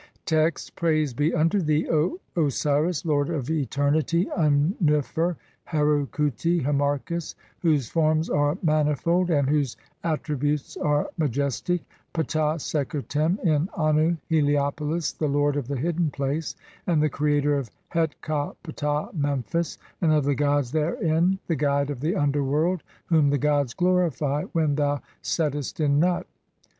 Text : "Praise be unto thee, O Osiris, lord of eternity, Un "nefer, Heru Khuti (Harmachis), whose forms are manifold, and "whose attributes are majestic, (2) Ptah Seker Tem in Annu "(Heliopolis), the lord of the hidden place, and the creator of "Het ka Ptah (Memphis) and of the gods [therein], the guide of "the underworld, (3) whom [the gods] glorify when thou settest "in Nut.